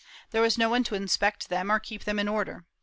There was no one to inspect them or keep them in order.